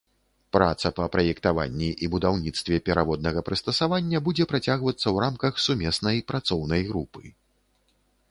Праца па праектаванні і будаўніцтве пераводнага прыстасавання будзе працягвацца ў рамках сумеснай працоўнай групы.